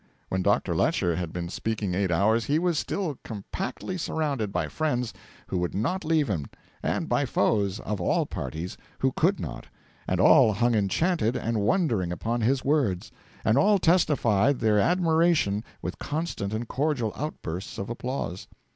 When Dr. Lecher had been speaking eight hours he was still compactly surrounded by friends who would not leave him, and by foes (of all parties) who could not; and all hung enchanted and wondering upon his words, and all testified their admiration with constant and cordial outbursts of applause.